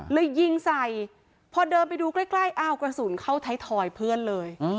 ยิงใส่พอเดินไปดูใกล้อ้าวกระสุนเข้าไทยทอยเพื่อนเลย